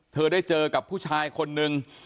เธอได้เจอกับผู้ชายคนนึง